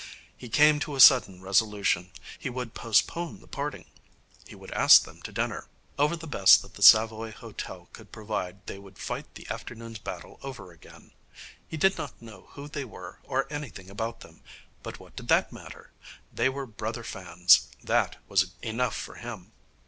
He came to a sudden resolution. He would postpone the parting. He would ask them to dinner. Over the best that the Savoy Hotel could provide they would fight the afternoon's battle over again. He did not know who they were or anything about them, but what did that matter? They were brother fans. That was enough for him.